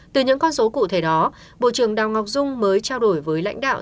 từ những con số cụ thể đó bộ trưởng đào ngọc dung mới trao đổi với lãnh đạo